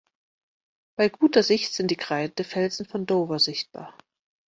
Bei guter Sicht sind die Kreidefelsen von Dover sichtbar.